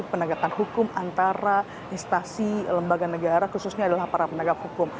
penegakan hukum antara instansi lembaga negara khususnya adalah para penegak hukum